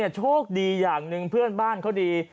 โชคดีอย่างหนึ่งเพื่อนบ้านเขาดี